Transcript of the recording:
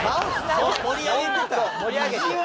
盛り上げてた？